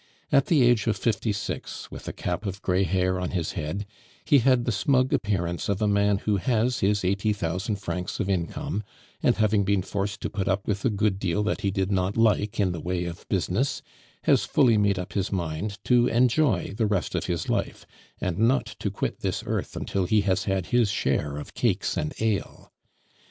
At the age of fifty six, with a cap of gray hair on his head, he had the smug appearance of a man who has his eighty thousand francs of income; and having been forced to put up with a good deal that he did not like in the way of business, has fully made up his mind to enjoy the rest of his life, and not to quit this earth until he has had his share of cakes and ale.